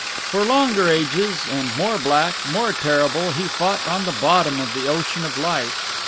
For longer ages, and more black, more terrible, he fought on the bottom of the ocean of life.